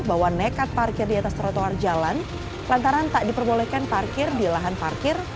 bahwa nekat parkir di atas trotoar jalan lantaran tak diperbolehkan parkir di lahan parkir